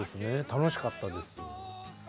楽しかったです。